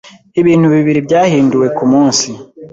ibintu bibiri byahinduwe kumunsi,